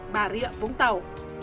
bà rịa vũng tàu